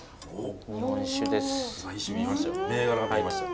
日本酒です。